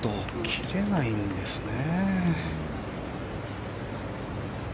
切れないんですね。